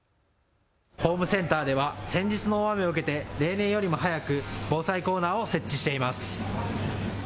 ホームセンターでは先日の大雨を受けて例年よりも早く防災コーナーを設置しています。